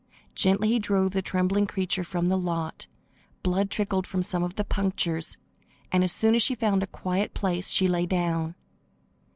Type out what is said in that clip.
Gently he drove the trembling creature from the lot. Blood trickled from some of the punctures, and as soon as she found a quiet place she lay down.